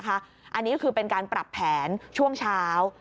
อันนี้คือเป็นการปรับแผนช่วงเช้า